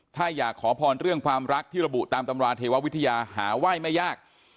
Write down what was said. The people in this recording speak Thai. ถ้าอยากขอพรเรื่องความรักที่ระบุตามตำราเทววิทยาหาไหว้ไม่ยาก